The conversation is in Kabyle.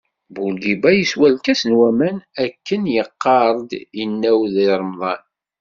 Burgiba yeswa lkas n waman akken yeqqar-d inaw deg remḍan.